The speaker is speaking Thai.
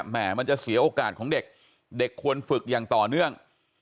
มันจะเสียโอกาสของเด็กเด็กควรฝึกอย่างต่อเนื่อง